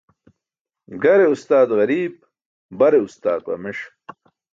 Gare ustaat ġariib, bare ustaat ġames